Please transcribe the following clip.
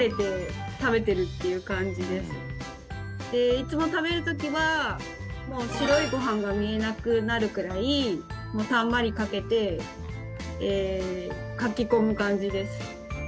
いつも食べる時はもう白いご飯が見えなくなるくらいたんまりかけてかき込む感じです。